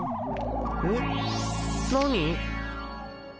えっ？何？